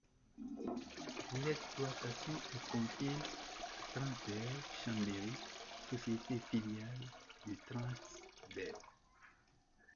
L’exploitation est confiée à Transdev Chambéry, société filiale de Transdev.